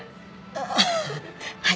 ああはい。